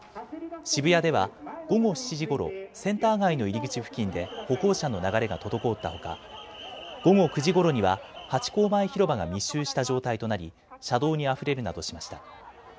渋谷では午後７時ごろセンター街の入り口付近で歩行者の流れが滞ったほか午後９時ごろにはハチ公前広場が密集した状態となり車道にあふれるなどしました。